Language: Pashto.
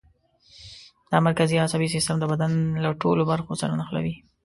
دا مرکزي عصبي سیستم د بدن له ټولو برخو سره نښلوي.